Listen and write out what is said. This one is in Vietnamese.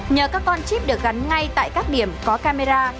nhờ các con chip được gắn ngay tại các điểm có camera